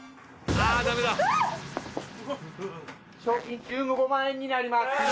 賞金１５万円になります。